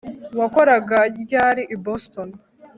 wakoraga ryari i boston